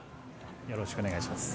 よろしくお願いします。